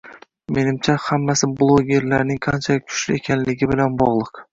Menimcha, hammasi bloggerlarning qanchalik kuchli ekanligi bilan bog'liq 😜